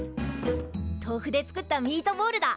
とうふで作ったミートボールだ。